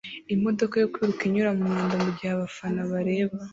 Imodoka yo kwiruka inyura mumyanda mugihe abafana bareba